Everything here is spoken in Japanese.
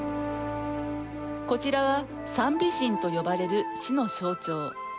こちらは「三美神」と呼ばれる市の象徴。